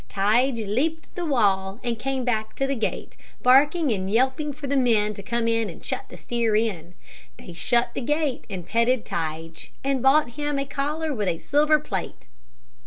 Tige leaped the wall, and came back to the gate, barking and yelping for the men to come and shut the steer in. They shut the gate and petted Tige, and bought him a collar with a silver plate."